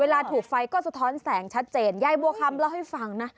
ถูกไฟก็สะท้อนแสงชัดเจนยายบัวคำเล่าให้ฟังนะ